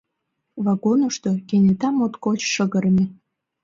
Вагонышто кенета моткоч шыгыреме.